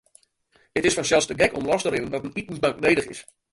It is fansels te gek om los te rinnen dat in itensbank nedich is.